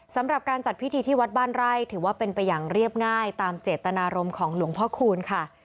สำหรับการจัดพิธีที่วัดบ้านไร่ถือว่าเป็นไปอย่างเรียบง่ายตามเจตนารมณ์ของหลวงพ่อคูณค่ะ